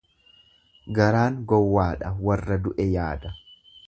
Garaan gowwaadha warra du'e yaada.